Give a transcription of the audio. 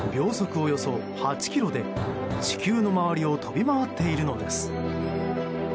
およそ８キロで地球の周りを飛び回っているのです。